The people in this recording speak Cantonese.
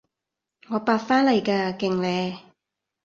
我八返嚟㗎，勁呢？